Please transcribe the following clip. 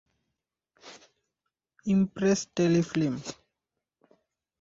Impress টেলিফিল্ম-এর ব্যানারে নির্মিত এই ছবির মূল কাহিনী এইচআইভি/এইডস প্রতিরোধ ও নিয়ন্ত্রণ ইস্যু নিয়ে।